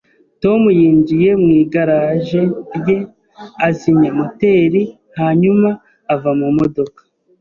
Tom yinjiye mu igaraje rye, azimya moteri, hanyuma ava mu modoka